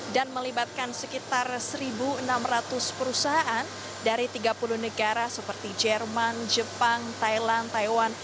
dan melibatkan sekitar satu enam ratus perusahaan dari tiga puluh negara seperti jerman jepang thailand taiwan